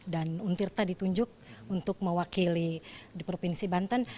dan untirta ditunjuk untuk mewakili di provinsi banten